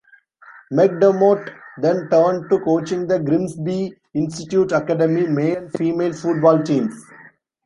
McDermott then turned to coaching the Grimsby Institute Academy male and female football teams.